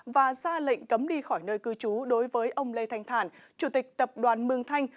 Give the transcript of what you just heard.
và ra lệnh cấm đi khỏi nơi cư trú đối với ông lê thanh thản chủ tịch tập đoàn mương thanh